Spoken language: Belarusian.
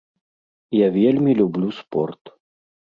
Я вельмі люблю спорт.